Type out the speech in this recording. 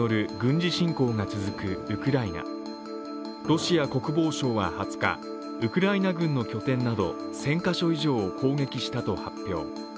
ロシア国防省は２０日、ウクライナ軍の拠点など１０００カ所以上を攻撃したと発表。